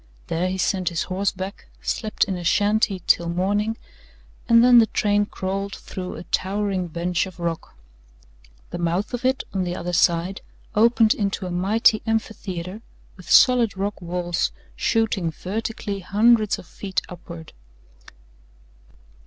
There he sent his horse back, slept in a shanty till morning, and then the train crawled through a towering bench of rock. The mouth of it on the other side opened into a mighty amphitheatre with solid rock walls shooting vertically hundreds of feet upward.